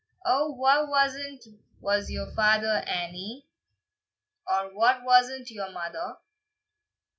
"O wha was't was your father, Annie, Or wha was't was your mother?